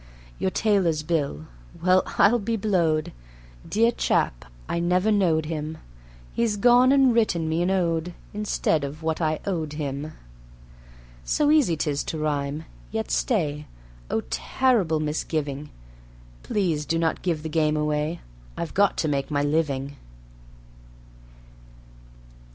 Your tailor's bill ... well, I'll be blowed! Dear chap! I never knowed him ... He's gone and written me an ode, Instead of what I owed him. So easy 'tis to rhyme ... yet stay! Oh, terrible misgiving! Please do not give the game away ... I've got to make my living.